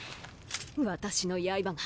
私の刃が。